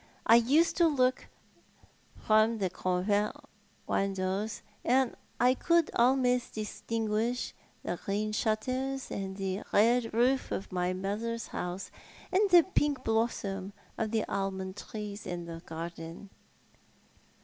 I used to look from the convent windows, and I coxild almost distinguish the green shutters and the red roof of my mother's house, and the pink blossom of the almond trees in the garden."